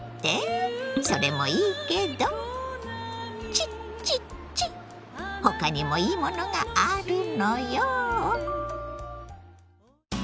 それもいいけどチッチッチッ他にもいいものがあるのよ。